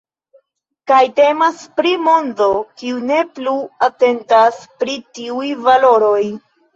Kaj temas pri mondo, kiu ne plu atentas pri tiuj valoroj.